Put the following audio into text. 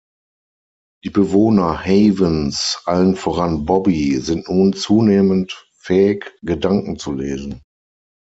Die Bewohner Havens, allen voran Bobbi, sind nun zunehmend fähig, Gedanken zu lesen.